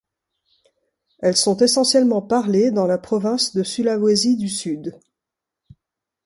Elles sont essentiellement parlées dans la province de Sulawesi du Sud.